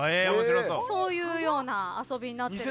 そういうような遊びになってます。